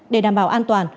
để đảm bảo an toàn